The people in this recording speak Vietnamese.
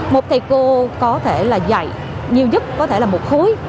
một thầy cô có thể là dạy nhiều nhất có thể là một khối